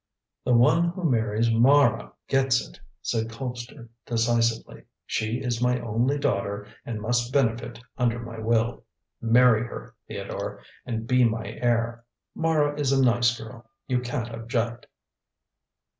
"The one who marries Mara gets it," said Colpster decisively. "She is my only daughter and must benefit under my will. Marry her, Theodore, and be my heir. Mara is a nice girl; you can't object."